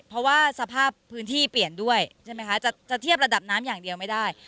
เพราะว่าสภาพพื้นที่เปลี่ยนด้วยใช่ไหมคะจะเทียบระดับน้ำอย่างเดียวไม่ได้